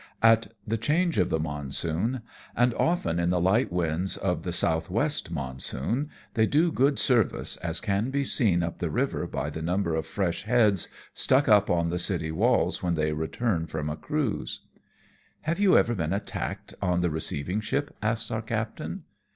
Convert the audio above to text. At the change of the monsoon, and often in the light winds of the south west monsoon, they do good service, as can be seen up the river by the number of fresh heads stuck up on the city walls when they return from a cruise." no AMONG TYPHOONS AND PIRATE CRAFT. "Have you ever been attacked on the receiving ship ?" asks our captain.